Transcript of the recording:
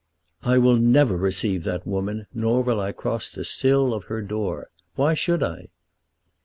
"I will never receive that woman, nor will I cross the sill of her door. Why should I?"